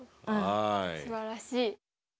おおすばらしい。